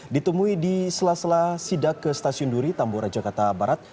ditemui di sela sela sidak ke stasiun duri tambora jakarta barat